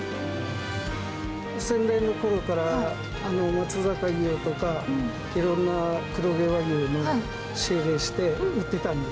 先代のころから、松阪牛とかいろんな黒毛和牛の仕入れして、売ってたんです。